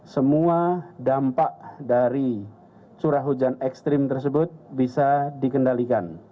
semua dampak dari curah hujan ekstrim tersebut bisa dikendalikan